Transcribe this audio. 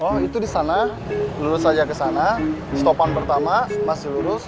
oh itu disana lurus aja kesana stopan pertama mas lurus